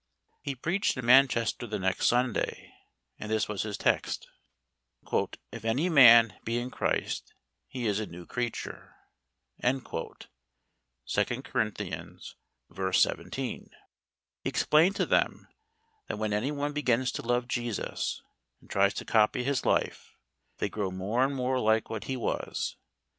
He preached in Manchester the next Sunday, and this was his text: "If any man be in Christ, he is a new creature" (2 Cor. v. 17). He explained to them that when any one begins to love Jesus, and tries to copy His life, they grow more and more like what He was.